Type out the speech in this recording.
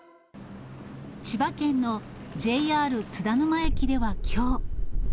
千葉県のＪＲ津田沼駅ではきょう。